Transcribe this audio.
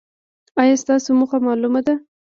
ایا ستاسو موخه معلومه ده؟